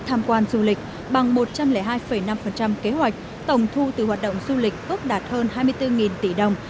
tham quan du lịch bằng một trăm linh hai năm kế hoạch tổng thu từ hoạt động du lịch ước đạt hơn hai mươi bốn tỷ đồng